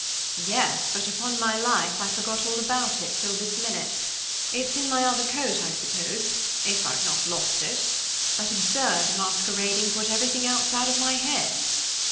"Yes, but upon my life, I forgot all about it till this minute. It's in my other coat, I suppose, if I've not lost it. That absurd masquerading put everything else out of my head."